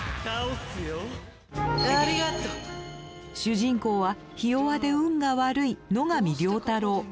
主人公はひ弱で運が悪い野上良太郎。